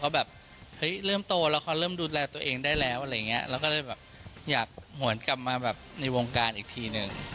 เร็วเหิมโตเราก็เริ่มดูแลตัวเองได้แล้วอะไรงี้เราก็เลยอยากถูกกับมาในวงการอีกทีหนึ่ง